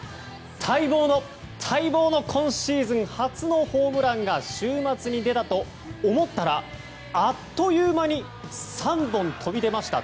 待望の、待望の今シーズン初のホームランが週末に出たと思ったらあっという間に３本飛び出ました。